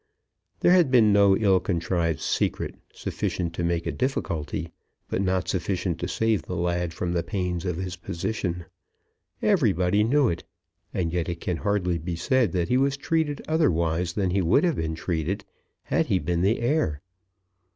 There had been no ill contrived secret, sufficient to make a difficulty, but not sufficient to save the lad from the pains of his position. Everybody knew it; and yet it can hardly be said that he was treated otherwise than he would have been treated had he been the heir.